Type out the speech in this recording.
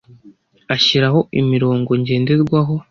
ashyiraho imirongo ngenderwaho